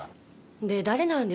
で誰なんです？